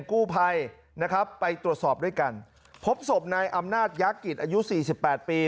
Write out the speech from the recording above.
ผู้ภัยนะครับไปตรวจสอบด้วยกันพบศพนายอำนาจยะกิจอายุ๔๘ปี